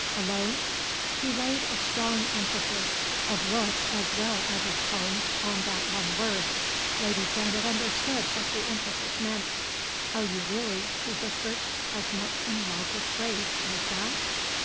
"Alone?" He laid a strong emphasis, of look as well as of tone, on that one word. Lady Janet understood what the emphasis meant. "Are you really," she whispered, "as much in love with Grace as that?"